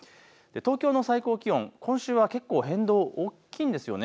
東京の最高気温、今週は結構、変動が大きいんです。